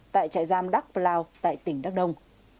tại trại giam đắc plao tại tỉnh đắc đông